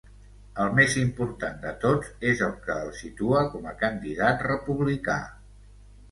El més important de tots, és el que el situa com a candidat republicà.